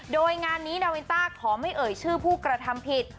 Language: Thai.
โดยงานนี้นาวินต้าขอไม่เอ่ยชื่อผู้กระทำผิด